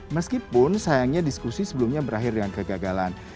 meskipun sayangnya diskusi sebelumnya berakhir dengan kegagalan